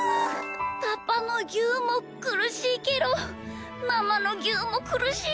パパのぎゅうもくるしいけどママのぎゅうもくるしい。